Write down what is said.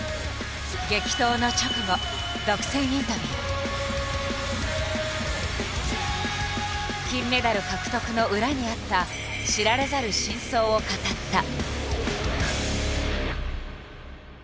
激闘の直後金メダル獲得の裏にあった知られざる真相を語った。